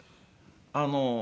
あの。